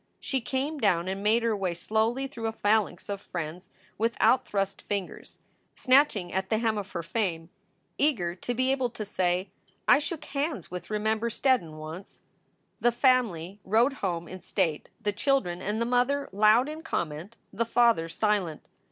She came down and made her way slowly through a phalanx of friends with out thrust fingers, snatching at * the hem of her fame, eager to be able to say, " I shook hands with Remember Steddon once." The family rode home in state, the children and the mother loud in comment, the father silent.